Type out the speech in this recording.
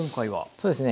そうですね。